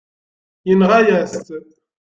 Yenɣa-yas-tt.